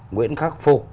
nguyễn khắc phục